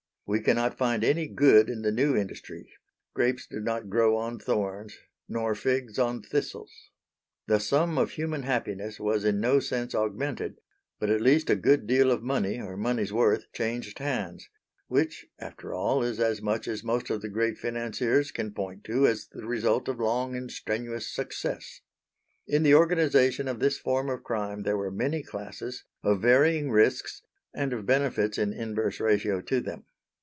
We cannot find any good in the new industry grapes do not grow on thorns nor figs on thistles. The sum of human happiness was in no sense augmented; but at least a good deal of money or money's worth changed hands; which, after all, is as much as most of the great financiers can point to as the result of long and strenuous success. In the organisation of this form of crime there were many classes, of varying risks and of benefits in inverse ratio to them.